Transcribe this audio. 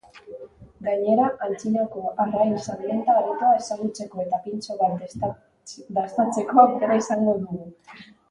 Gainera, antzinako arrain salmenta aretoa ezagutzeko eta pintxo bat dastatzeko aukera izango dugu.